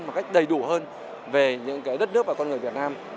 một cách đầy đủ hơn về những cái đất nước và con người việt nam